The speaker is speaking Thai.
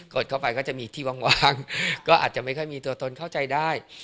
ดเข้าไปก็จะมีที่วางก็อาจจะไม่ค่อยมีตัวตนเข้าใจได้